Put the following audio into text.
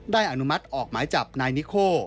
อนุมัติออกหมายจับนายนิโค